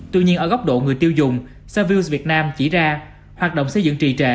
tuy nhiên ở góc độ người tiêu dùng savills việt nam chỉ ra hoạt động xây dựng trì trệ